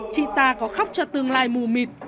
chị ta có khóc cho tương lai mù mịt